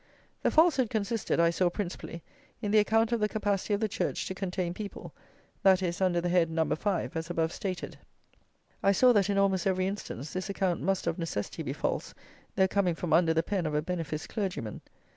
The falsehood consisted, I saw principally, in the account of the capacity of the church to contain people; that is, under the head No. 5, as above stated. I saw that in almost every instance this account must of necessity be false, though coming from under the pen of a beneficed clergyman.